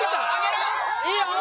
いいよ！